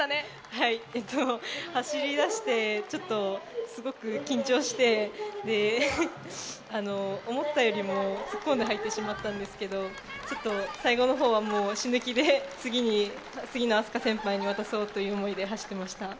はい、走り出して、ちょっとすごく緊張して、思ったよりも突っ込んで入ってしまったんですけれども、ちょっと最後の方は死ぬ気で、次の次の愛朱加先輩に渡そうという思いで走りました。